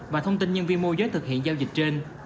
và thông tin nhân viên môi giới thực hiện giao dịch trên